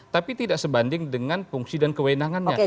tapi tidak sebanding dengan fungsi dan kewenangannya